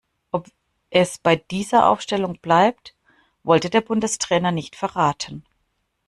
Ob es bei dieser Aufstellung bleibt, wollte der Bundestrainer nicht verraten.